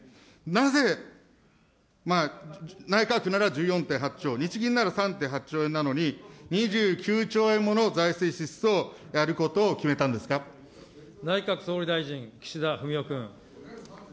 なぜ、内閣府なら１４．８兆、日銀なら３．８兆円なのに、２９兆円もの財政支出をやることを決め内閣総理大臣、岸田文雄君。